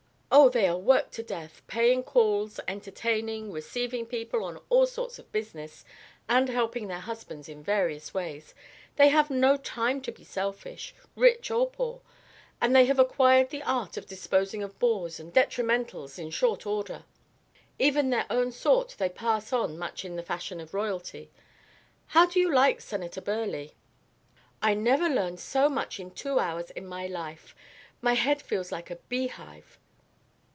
"Oh, they are worked to death, paying calls, entertaining, receiving people on all sorts of business, and helping their husbands in various ways. They have no time to be selfish, rich or poor, and they have acquired the art of disposing of bores and detrimentals in short order. Even their own sort they pass on much in the fashion of royalty. How do you like Senator Burleigh?" "I never learned so much in two hours in my life. My head feels like a beehive."